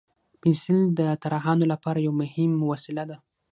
پنسل د طراحانو لپاره یو مهم وسیله ده.